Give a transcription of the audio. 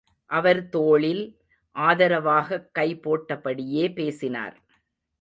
அவர் தோளில் ஆதரவாகக் கை போட்டபடியே பேசினார்.